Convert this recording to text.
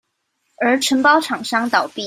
而承包廠商倒閉